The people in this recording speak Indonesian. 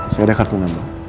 saya ada kartu nama